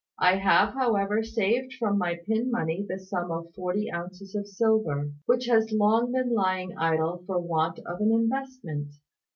I have, however, saved from my pin money the sum of forty ounces of silver, which has long been lying idle for want of an investment.